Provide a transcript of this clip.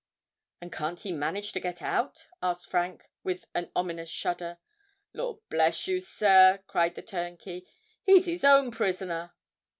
"And can't he manage to get out?" asked Frank, with an ominous shudder. "Lord bless you, sir," cried the turnkey, "he's his own prisoner!"